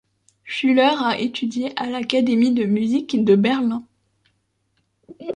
Schüler a étudié à l'Académie de musique de Berlin.